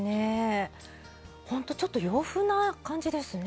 ほんとちょっと洋風な感じですね。